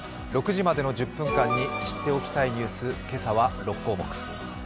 ６時までの１０分間に知っておきたいニュース、今朝は６項目。